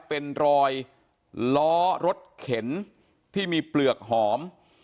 เป็นรอยล้อรถเข็นที่มีเปลือกหอม